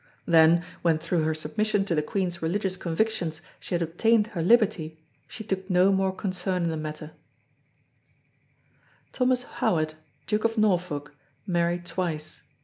Then, when through her submission to the Queen's religious convictions she had obtained her liberty, she took no more concern in the matter. The Duchess of Richmond Thomas Howard, Duke of Norfolk, married twice.